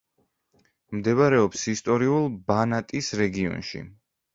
მდებარეობს ისტორიულ ბანატის რეგიონში.